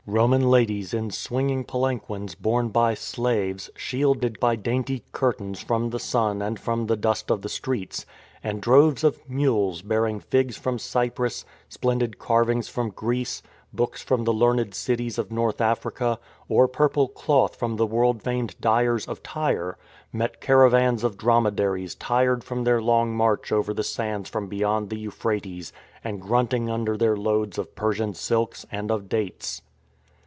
Roman ladies in swinging palanquins borne by slaves, shielded by dainty curtains from the sun and from the dust of the streets; and droves of mules bearing figs from Cyprus, splendid carvings from Greece, books from the learned cities of North Africa, or purple cloth from the world famed dyers of Tyre, met caravans of dromedaries tired from their long march over the sands from beyond the Euphrates and grunting under their loads of Persian silks and of dates.